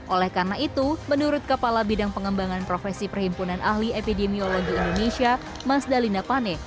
oleh karena itu menurut kepala bidang pengembangan profesi perhimpunan ahli epidemiologi indonesia mas dalina pane